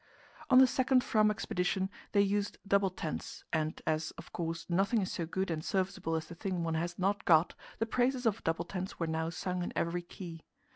On the second Fram expedition they used double tents, and as, of course, nothing is so good and serviceable as the thing one has not got, the praises of double tents were now sung in every key.